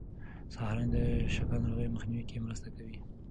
سهارنۍ د شکر ناروغۍ مخنیوی کې مرسته کوي.